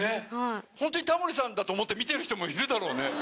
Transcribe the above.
本当にタモリさんだと思って見てる人もいるだろうね。